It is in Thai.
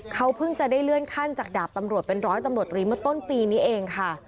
เขาเพิ่งจะได้เลื่อนขั้นจากดาบตำรวจเป็นร้อยตำรวจตรีเมื่อต้นปีนี้เองค่ะ